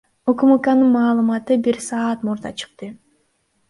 УКМКнын маалыматы бир саат мурда чыкты.